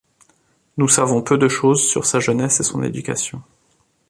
Nous savons peu de chose sur sa jeunesse et son éducation.